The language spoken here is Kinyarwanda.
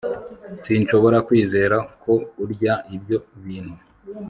Sinshobora kwizera ko urya ibyo bintu